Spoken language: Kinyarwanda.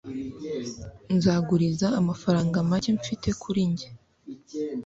nzaguriza amafaranga make mfite kuri njye